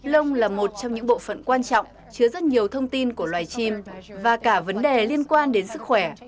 lông là một trong những bộ phận quan trọng chứa rất nhiều thông tin của loài chim và cả vấn đề liên quan đến sức khỏe